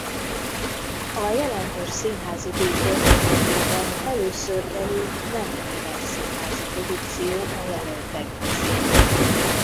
A jelentős színházi díj történetében először került nem német színházi produkció a jelöltek közé.